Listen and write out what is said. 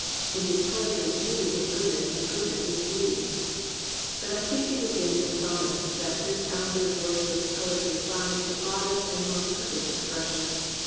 In his poetry beauty is good ness and goodness is beauty. But I think it is in the Sonnets that this element of Wordsworth's poetry finds the broadest and most perfect expression.